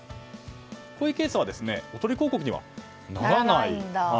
こういうケースはおとり広告にはならない。